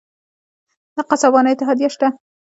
د قصابانو اتحادیه شته؟